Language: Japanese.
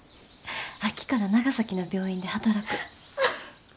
秋から長崎の病院で働く。